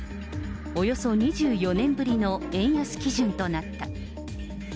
およそ２４年ぶりの円安基準となった。